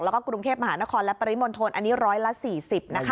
แล้วก็กรุงเทพมหานครและปริมณฑลอันนี้ร้อยละ๔๐นะคะ